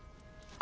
あ！